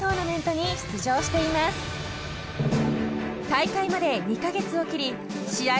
［大会まで２カ月を切り試合